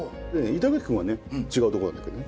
板垣君はね違うとこなんだけどね。